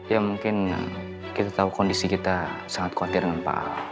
ya mungkin kita tahu kondisi kita sangat khawatir dengan pak ahok